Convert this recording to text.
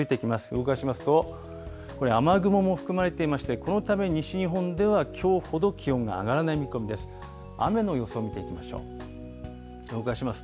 動かしますと、これ、雨雲も含まれていまして、このため、西日本では、きょうほど気温が上がらない見込みです。